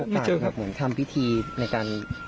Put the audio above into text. แล้วมันมีโอกาสครับทำพิธีในการ